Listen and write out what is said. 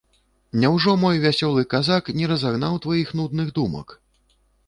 Няўжо мой вясёлы казак не разагнаў тваіх нудных думак?